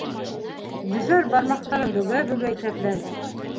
Зөфәр бармаҡтарын бөгә-бөгә иҫәпләне: